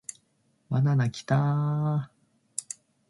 バナナキターーーーーー